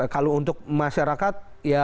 kalau untuk masyarakat